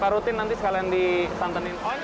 baru tenung karen di santar diferent